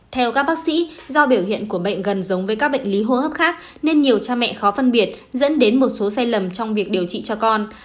theo các bác sĩ do biểu hiện của bệnh gần giống với các bệnh lý hô hấp khác nên nhiều cha mẹ khó phân biệt dẫn đến một số sai lầm trong việc điều trị cho con